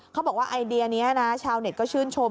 เขาบอกว่าไอเดียนี้เช่าเจ้าเน็ตขึ้นชม